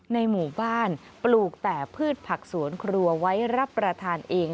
ในหมู่บ้านปลูกแต่พืชผักสวนครัวไว้รับประทานเอง